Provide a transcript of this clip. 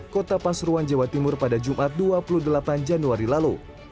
kota pasuruan jawa timur pada jumat dua puluh delapan januari lalu